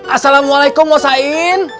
assalamualaikum wa sain